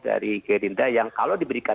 dari gerindra yang kalau diberikan